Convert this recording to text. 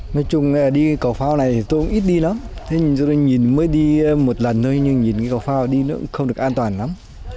nói chung là khi đi cầu phao này thì tôi cũng ít đi lắm thế nên nhìn mới đi một lần thôi nhưng nhìn cầu phao đi nó cũng không được an toàn lắm